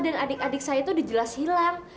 dan adik adik saya tuh dijelas hilang